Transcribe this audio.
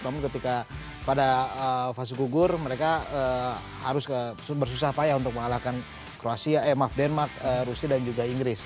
namun ketika pada fase gugur mereka harus bersusah payah untuk mengalahkan kroasia eh maaf denmark rusia dan juga inggris